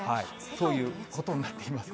そういうことになっています。